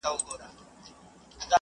ناسم خوراک بدن کمزوری کوي.